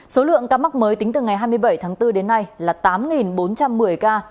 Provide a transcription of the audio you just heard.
số lượng ca mắc mới tính từ ngày hai mươi bảy tháng bốn đến nay là tám bốn trăm một mươi ca